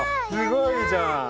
すごいじゃん。